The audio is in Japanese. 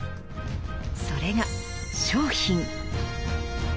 それが「商品」。